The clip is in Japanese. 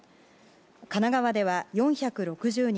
神奈川では４６０人